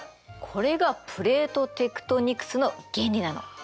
これがプレートテクトニクスの原理なの。